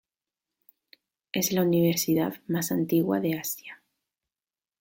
Es la universidad más antigua de Asia.